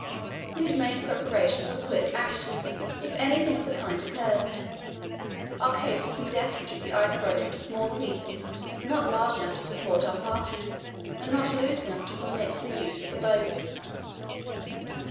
We had made preparations for quick action if anything of the kind occurred. Our case would be desperate if the ice broke into small pieces not large enough to support our party and not loose enough to permit the use of the boats.